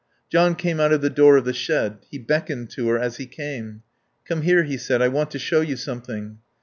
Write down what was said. John came out of the door of the shed. He beckoned to her as he came. "Come here," he said. "I want to show you something."